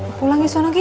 nanti pulang ya suanogi